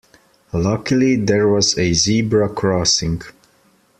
Luckily there was a zebra crossing.